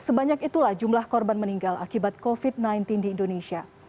sebanyak itulah jumlah korban meninggal akibat covid sembilan belas di indonesia